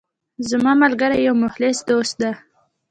زما ملګری یو مخلص دوست ده